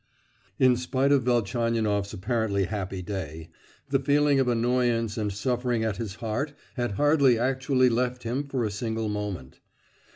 In spite of Velchaninoff's apparently happy day, the feeling of annoyance and suffering at his heart had hardly actually left him for a single moment.